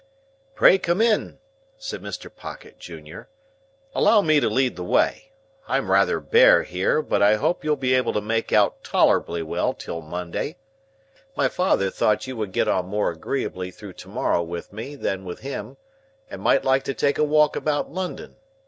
"Pray come in," said Mr. Pocket, Junior. "Allow me to lead the way. I am rather bare here, but I hope you'll be able to make out tolerably well till Monday. My father thought you would get on more agreeably through to morrow with me than with him, and might like to take a walk about London.